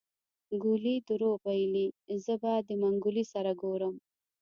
ګولي دروغ ويلي زه به د منګلي سره ګورم.